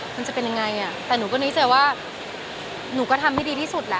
มันจะเป็นยังไงแต่หนูก็ในใจว่าหนูก็ทำให้ดีที่สุดแหละ